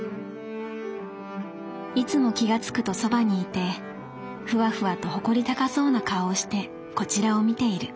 いつも気がつくとそばにいてフワフワと誇り高そうな顔をしてコチラを見ている。